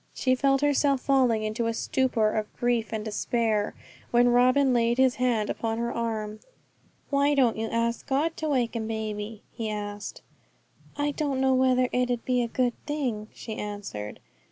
She felt herself falling into a stupor of grief and despair, when Robin laid his hand upon her arm. 'Why don't you ask God to waken baby?' he asked. 'I don't know whether it 'ud be a good thing,' she answered.